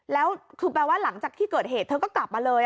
แล้วคือแปลว่าหลังจากที่เกิดเหตุเธอก็กลับมาเลย